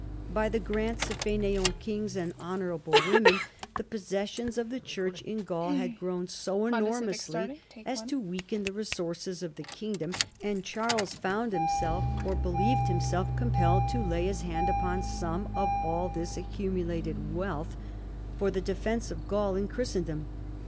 By the grants of faineant kings and honorable women, the possessions of the Church in Gaul had grown so enormously as to weaken the resources of the king dom, and Charles found himself, or believed himself, compelled to lay his hand upon some of all this accumulated wealth for the defence of Gaul and Christendom.